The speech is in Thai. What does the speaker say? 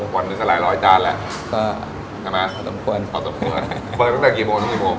เปิดตั้งแต่๔๕โมง